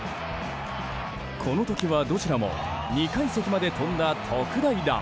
この時はどちらも２階席まで飛んだ特大弾。